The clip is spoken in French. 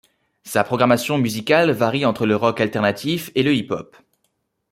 Sa programmation musicale varie entre le rock alternatif et le hip-hop.